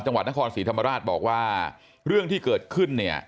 จังหวัดนครศรีธรรมราชบอกว่าเรื่องที่เกิดขึ้นเนี่ย